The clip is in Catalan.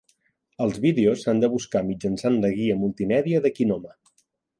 Els vídeos s'han de buscar mitjançant la guia multimèdia de Kinoma.